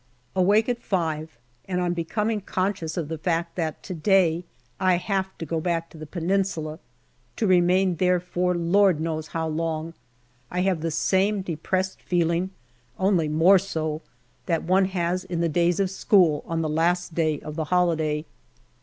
Awake at five, and on becoming conscious of the fact that to day I have to go back to that Peninsula, to remain there for Lord knows how long, I have the same depressed feeling, only more so, that one has in the days of school on the last day of the holiday.